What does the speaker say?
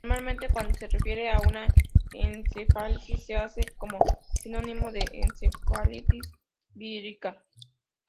Normalmente, cuando se refiere a una encefalitis, se hace como sinónimo de encefalitis vírica.